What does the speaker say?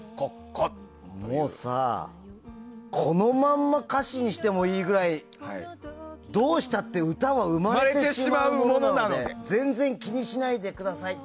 もうさこのまま歌詞にしてもいいくらいどうしたって歌は生まれてしまうものなので全然気にしないでください。